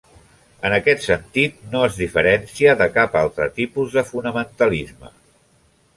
En aquest sentit no es diferencia de cap altre tipus de fonamentalisme.